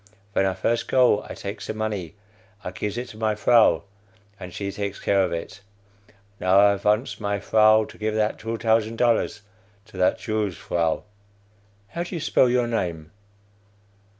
Ven I first go, I takes the money, I gives it to my vrow, and she takes care of it. Now I vants my vrow to give that two tousand dollars to that Jew's vrow. "(How do you spell your name?)